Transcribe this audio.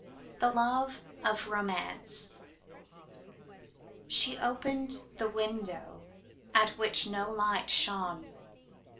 THE LOVE OF ROMANCE SHE opened the window, at which no light shone.